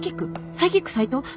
サイキック斎藤？